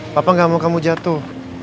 papa gak mau kamu jatuh